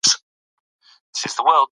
ډيپلومات د نړېوالو مسایلو تحلیل وړاندې کوي.